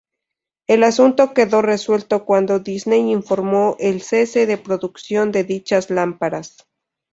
El asunto quedó resuelto cuando Disney informó el cese de producción de dichas lámparas.